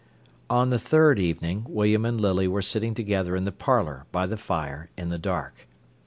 On the third evening William and Lily were sitting together in the parlour by the fire in the dark.